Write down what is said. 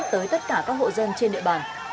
tới tất cả các hộ dân trên địa bàn